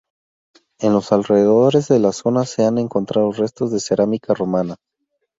En los alrededores de la zona se han encontrado restos de cerámica romana.